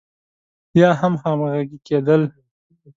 يا هم همغږي کېدل.